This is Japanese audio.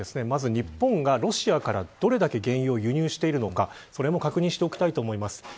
まず日本がロシアからどれだけ原油を輸入しているのかそれも確認しておきたいと思います。